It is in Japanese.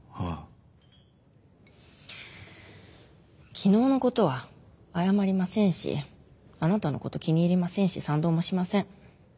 昨日のことは謝りませんしあなたのこと気に入りませんし賛同もしません。